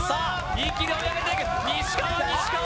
一気に追い上げていく西川西川